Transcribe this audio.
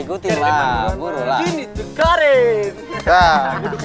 gini tuh keren